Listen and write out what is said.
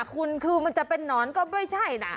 คุณคือมันจะเป็นนอนก็ไม่ใช่นะ